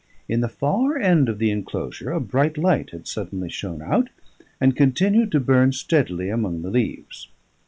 In the far end of the enclosure a bright light had suddenly shone out, and continued to burn steadily among the leaves.